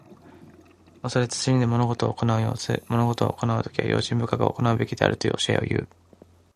恐れ慎んで物事を行う様子。物事を行うときには、用心深く行うべきであるという教えをいう。